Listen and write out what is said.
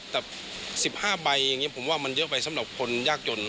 แต่๑๕ใบอย่างนี้ผมว่ามันเยอะไปสำหรับคนยากจน